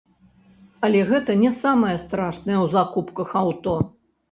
Але гэта не самае страшнае ў закупках аўто.